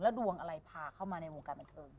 ดวงอะไรพาเข้ามาในวงการบันเทิง